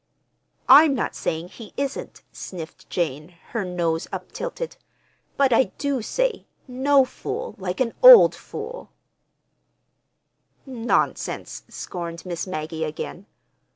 "I'm not saying he isn't," sniffed Jane, her nose uptilted. "But I do say, 'No fool like an old fool'!" "Nonsense!" scorned Miss Maggie again.